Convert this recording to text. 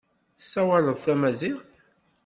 Tessawaleḍ tamaziɣt?